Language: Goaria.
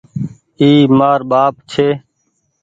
اي مآر ٻآپ ڇي۔